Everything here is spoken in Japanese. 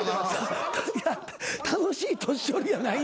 楽しい年寄りやないねん。